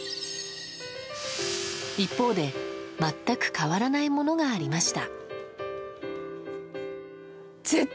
一方で、全く変わらないものがありました。